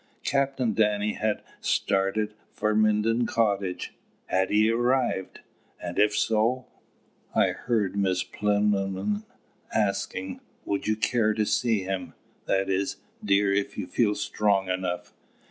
Captain Danny had started for Minden Cottage. ... Had he arrived? And, if so I heard Miss Plinlimmon asking: "Would you care to see him that is, dear, if you feel strong enough?